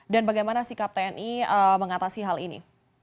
dan bagaimana sikap tni mengatasi hal ini